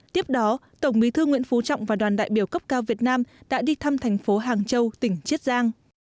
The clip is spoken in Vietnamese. tiếp đó tổng bí thư nguyễn phú trọng và đoàn đại biểu cấp cao việt nam đã đi thăm thành phố hàng châu tỉnh chiết giang